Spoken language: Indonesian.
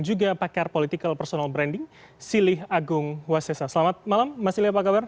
juga pakar political personal branding silih agung wasessa selamat malam masih apa kabar